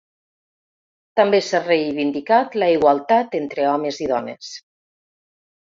També s’ha reivindicat la igualtat entre homes i dones.